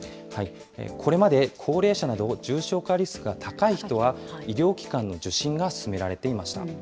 これまで高齢者など重症化リスクが高い人は、医療機関の受診が勧められていました。